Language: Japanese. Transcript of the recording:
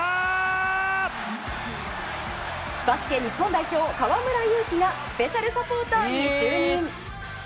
バスケ日本代表、河村勇輝がスペシャルサポーターに就任。